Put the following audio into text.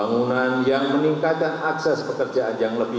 saya enggak bisa menjawab